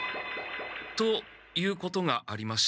ということがありまして。